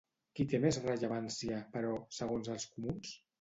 Qui té més rellevància, però, segons els Comuns?